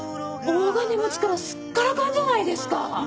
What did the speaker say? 大金持ちからすっからかんじゃないですか！